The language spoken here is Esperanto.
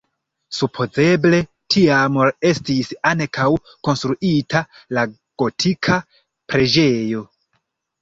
Supozeble tiam estis ankaŭ konstruita la gotika preĝejo.